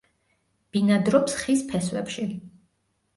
ბინადრობს ხის ფესვებში.